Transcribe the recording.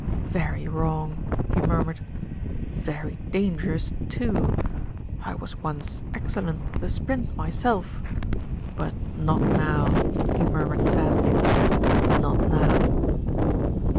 "Very wrong," he murmured. "Very dangerous, too. I was once excellent at the sprint myself; but not now," he murmured sadly, "not now."